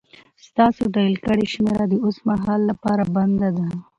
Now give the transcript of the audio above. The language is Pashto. ستاسو ډائل کړې شمېره د اوس مهال لپاره بنده ده